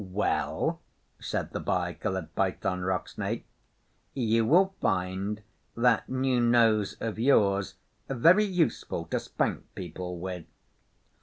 'Well,' said the Bi Coloured Python Rock Snake, 'you will find that new nose of yours very useful to spank people with.